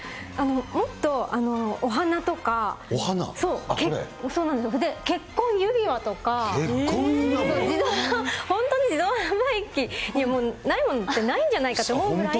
もっとお花とか、結婚指輪とか、本当に自動販売機にないものってないんじゃないかって思うぐらい。